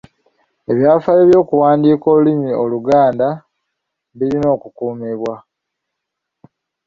Ebyafaayo by’okuwandiika olulimi Oluganda birina okukuumibwa.